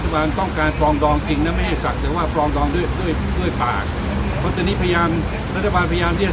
ทำงั้นนี้รัฐบาลจะต้องพิจารณาปล่อย